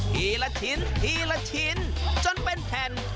ทีละชิ้นทีละชิ้นจนเป็นแผ่น